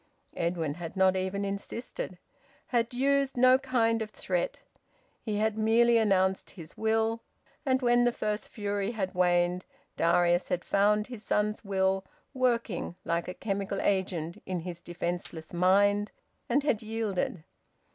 Edwin had not even insisted, had used no kind of threat. He had merely announced his will, and when the first fury had waned Darius had found his son's will working like a chemical agent in his defenceless mind, and had yielded.